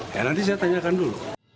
ya nanti saya tanyakan dulu